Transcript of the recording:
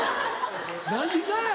何がや？